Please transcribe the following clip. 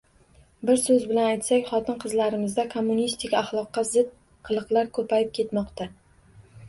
— Bir so‘z bilan aytsak, xotin-qizlarimizda kommunistik axloqqa zid qiliqlar ko‘payib ketmoqda.